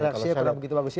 reaksinya kurang begitu bagus